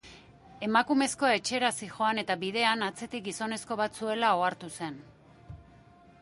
Emakumezkoa etxera zihoan eta bidean, atzetik gizonezko bat zuela ohartu zen.